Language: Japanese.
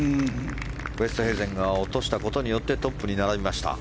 ウーストヘイゼンが落としたことによってトップに並びました。